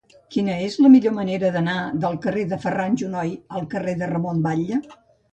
Quina és la millor manera d'anar del carrer de Ferran Junoy al carrer de Ramon Batlle?